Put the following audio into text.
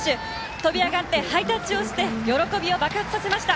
飛び上がってハイタッチをして喜びを爆発させました。